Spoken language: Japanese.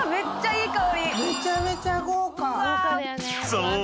［そう。